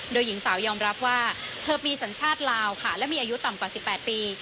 โดยหญิงสาวยอมรับว่าเธอมีสัญชาติลาวค่ะและมีอายุต่ำกว่า๑๘ปี